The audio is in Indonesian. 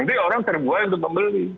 nanti orang terbuat untuk membeli